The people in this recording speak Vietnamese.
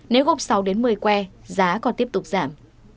nếu gốc sáu một mươi que giá còn tiếp tục giảm